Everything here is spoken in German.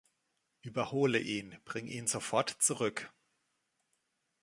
Überhole ihn; bring ihn sofort zurück!